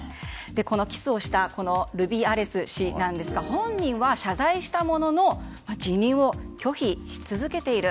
このキスをしたルビアレス氏なんですが本人は謝罪したものの辞任を拒否し続けている。